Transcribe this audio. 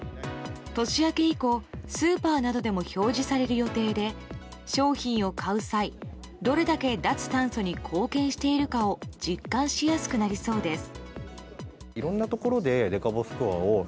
年明け以降、スーパーなどでも表示される予定で商品を買う際、どれだけ脱炭素に貢献しているかを実感しやすくなりそうです。